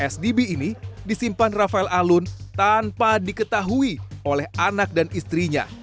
sdb ini disimpan rafael alun tanpa diketahui oleh anak dan istrinya